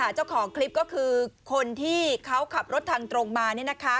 เจ้าของคลิปก็คือคนที่เขาขับรถทางตรงมา